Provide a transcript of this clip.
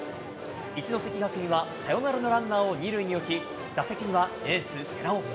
一関学院はサヨナラのランナーを２塁に置き、打席にはエース、寺尾。